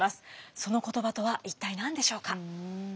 その言葉とは一体何でしょうか？